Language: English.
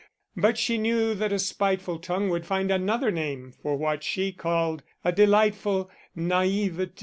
But she knew that a spiteful tongue would find another name for what she called a delightful naïveté.